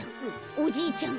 おじいちゃん